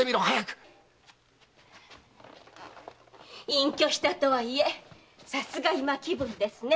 隠居したとはいえさすが今紀文ですね。